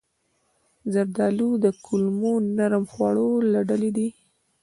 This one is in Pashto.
زردالو د کولمو نرم خوړو له ډلې ده.